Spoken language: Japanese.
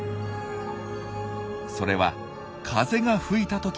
それは風が吹いた時の秘策。